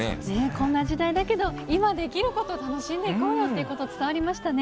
こんな時代だけど、今できることを楽しんでいこうよということが伝わりましたね。